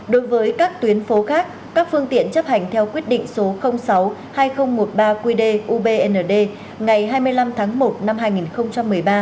đối với các tuyến phố khác các phương tiện chấp hành theo quyết định số sáu hai nghìn một mươi ba qdubnd ngày hai mươi năm tháng một năm hai nghìn một mươi ba